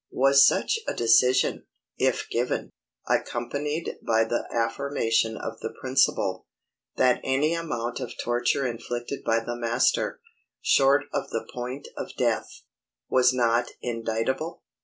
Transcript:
Was such a decision, if given, accompanied by the affirmation of the principle, that any amount of torture inflicted by the master, short of the point of death, was not indictable?